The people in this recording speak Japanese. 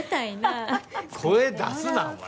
声出すな、お前。